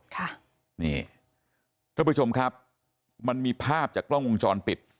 ท่านผู้ชมครับมันมีภาพจากกล้องวงจรปิด